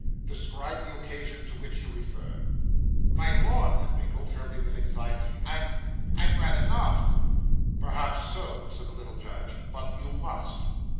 'Describe the occasion to which you refer.' 'My Lord,' said Mr. Winkle, trembling with anxiety, 'I I'd rather not.' 'Perhaps so,' said the little judge; 'but you must.